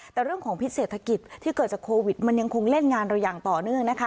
แต่เรื่องของพิษเศรษฐกิจที่เกิดจากโควิดมันยังคงเล่นงานเราอย่างต่อเนื่องนะคะ